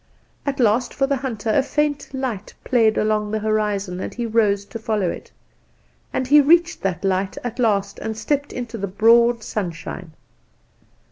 "At last for the hunter a faint light played along the horizon, and he rose to follow it; and he reached that light at last, and stepped into the broad sunshine.